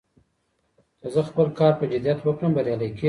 که زه خپل کار په جدیت وکړم، بريالی کېږم.